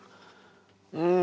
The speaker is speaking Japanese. うん。